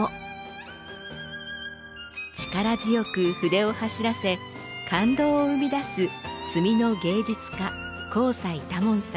力強く筆を走らせ感動を生み出す墨の芸術家幸才多聞さん。